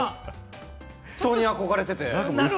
本当に憧れてて。